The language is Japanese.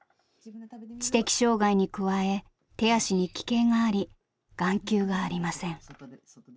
知的障害に加え手足に奇形があり眼球がありません。